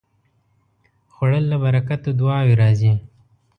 خوړل له برکته دعاوې راځي